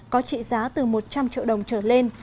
có trị giá từ một trăm linh triệu đồng trở lên